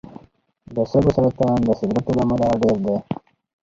د سږو سرطان د سګرټو له امله ډېر دی.